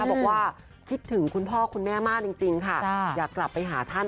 บอกว่าคิดถึงคุณพ่อคุณแม่มากจริงค่ะอยากกลับไปหาท่าน